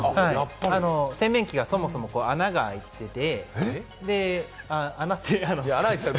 洗面器がそもそも穴が空いていて。